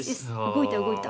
動いた動いた。